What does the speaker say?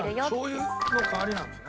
しょう油の代わりなんですね。